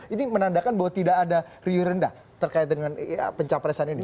ini menandakan bahwa tidak ada riuh rendah terkait dengan pencapresan ini